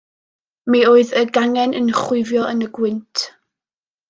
Mi oedd y gangen yn chwifio yn y gwynt.